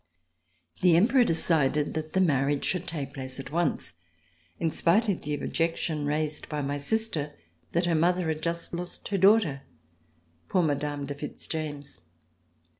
C350] THE PREFECTURE AT imUSSELS The Emperor decided that the marriage should take place at once, in spite of the ohjection raised by my sister that her mother had just lost her daughter, poor Mme. de Fitz James.